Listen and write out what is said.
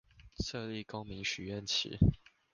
設立公民許願池